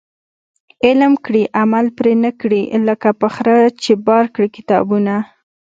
علم کړي عمل پري نه کړي ، لکه په خره چي بار کړي کتابونه